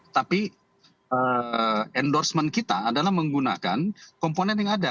tapi endorsement kita adalah menggunakan komponen yang ada